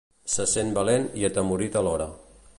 Se sent valent i atemorit alhora.